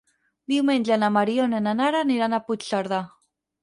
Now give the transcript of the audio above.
Diumenge na Mariona i na Nara aniran a Puigcerdà.